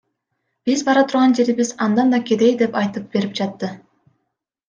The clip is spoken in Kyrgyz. Биз бара турган жерибиз андан да кедей деп айтып берип жатты.